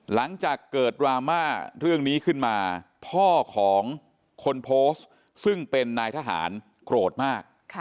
หลังจากเกิดดราม่าเรื่องนี้ขึ้นมาพ่อของคนโพสต์ซึ่งเป็นนายทหารโกรธมาก